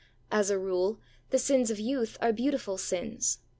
As a rule, the sins of youth are beautiful sins.